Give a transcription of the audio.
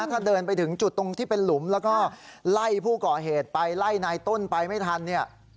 ถ้าเดินไปถึงจุดตรงที่เป็นหลุมแล้วก็ไล่ผู้ก่อเหตุไปไล่นายต้นไปไม่ทันเนี่ย